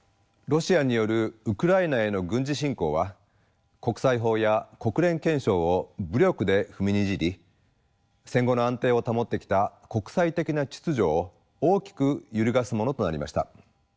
ロシアによるウクライナへの軍事侵攻は国際法や国連憲章を武力で踏みにじり戦後の安定を保ってきた国際的な秩序を大きく揺るがすものとなりました。